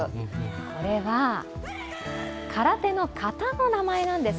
これは空手の型の名前なんです。